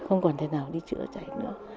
không còn thể nào đi chữa chạy nữa